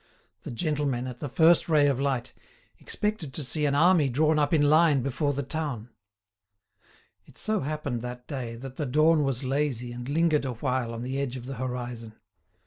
The gentlemen, at the first ray of light, expected to see an army drawn up in line before the town. It so happened that day that the dawn was lazy and lingered awhile on the edge of the horizon.